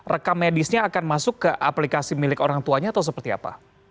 rekam medisnya akan masuk ke aplikasi milik orang tuanya atau seperti apa